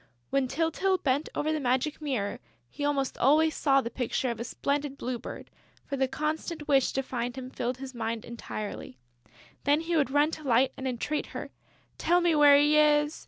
When Tyltyl bent over the magic mirror, he almost always saw the picture of a splendid Blue Bird, for the constant wish to find him filled his mind entirely. Then he would run to Light and entreat her: "Tell me where he is!...